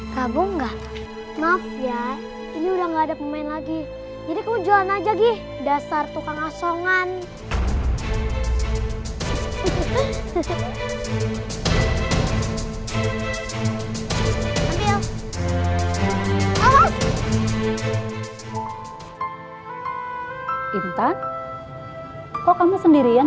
sampai jumpa di video selanjutnya